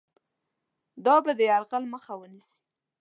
دا به د یرغل مخه ونیسي.